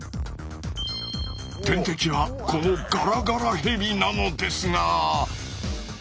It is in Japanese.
天敵はこのガラガラヘビなのですが。